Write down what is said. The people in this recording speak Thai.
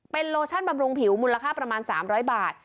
เป็นโลชั่นบำรุงผิวมูลค่าประมาณ๓๐๐บาท